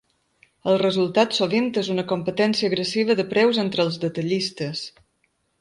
El resultat sovint és una competència agressiva de preus entre els detallistes.